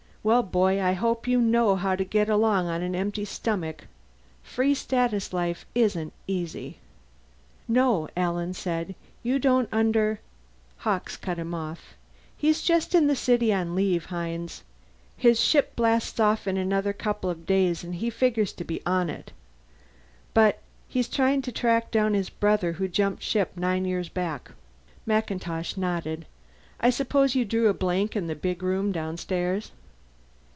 "Well, boy, I hope you know how to get along on an empty stomach. Free Status life isn't easy." "No," Alan said. "You don't under " Hawkes cut him off. "He's just in the city on leave, Hines. His ship blasts off in a couple of days and he figures to be on it. But he's trying to track down his brother, who jumped ship nine years back." MacIntosh nodded. "I suppose you drew a blank in the big room downstairs?"